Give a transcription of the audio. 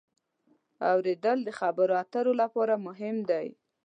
اورېدل د خبرو اترو لپاره مهم دی.